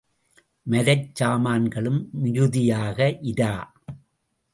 மரச் சாமான்களும் மிகுதியாக இரா.